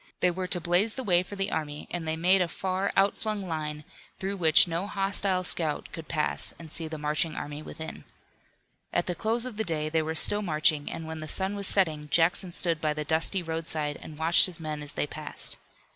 They were to blaze the way for the army and they made a far out flung line, through which no hostile scout could pass and see the marching army within. At the close of the day they were still marching, and when the sun was setting Jackson stood by the dusty roadside and watched his men as they passed.